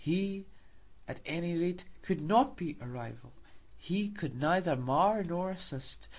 He, at any rate, could not be a rival. He could neither mar nor assist.